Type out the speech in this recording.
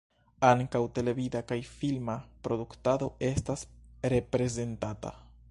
Ankaŭ televida kaj filma produktado estas reprezentata.